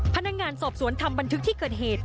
พนักงานสอบสวนทำบันทึกที่เกิดเหตุ